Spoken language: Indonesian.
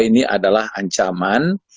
ini adalah ancaman